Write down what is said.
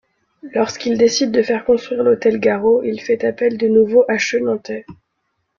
Lorsqu'il décide de faire construire l'hôtel Garreau, il fait appel de nouveau à Chenantais.